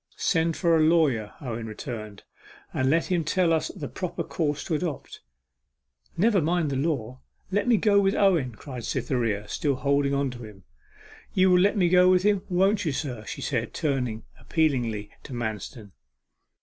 'Send for a lawyer,' Owen returned, 'and let him tell us the proper course to adopt.' 'Never mind the law let me go with Owen!' cried Cytherea, still holding on to him. 'You will let me go with him, won't you, sir?' she said, turning appealingly to Manston.